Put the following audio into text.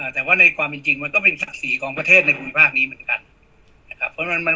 แต่ว่าในความเป็นจริงมันก็เป็นศักดิ์ศรีของประเทศในภูมิภาคนี้เหมือนกันนะครับ